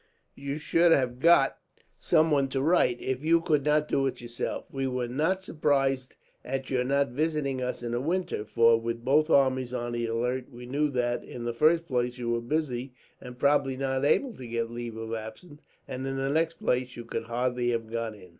You should have got someone to write, if you could not do it yourself. We were not surprised at your not visiting us in the winter, for with both armies on the alert we knew that, in the first place, you were busy, and probably not able to get leave of absence; and in the next place, you could hardly have got in.